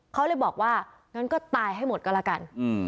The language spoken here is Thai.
เขาเลยบอกว่างั้นก็ตายให้หมดก็แล้วกัน